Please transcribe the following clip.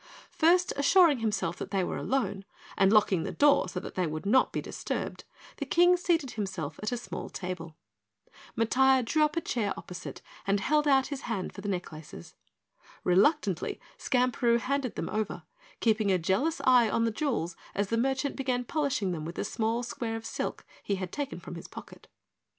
First assuring himself that they were alone and locking the door so they would not be disturbed, the King seated himself at a small table. Matiah drew up a chair opposite and held out his hand for the necklaces. Reluctantly Skamperoo handed them over, keeping a jealous eye on the jewels as the merchant began polishing them with a small square of silk he had taken from his pocket.